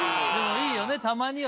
いいよねたまには。